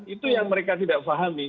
itu yang mereka tidak pahami